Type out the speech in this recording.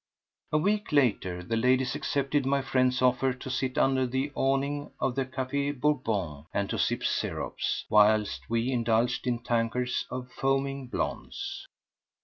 A week later the ladies accepted my friend's offer to sit under the awning of the Café Bourbon and to sip sirops, whilst we indulged in tankards of foaming "blondes."